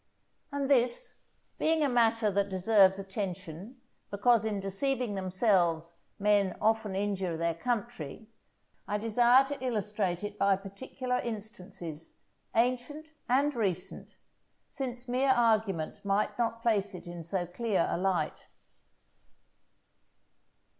And this, being a matter that deserves attention, because in deceiving themselves men often injure their country, I desire to illustrate it by particular instances, ancient and recent, since mere argument might not place it in so clear a light.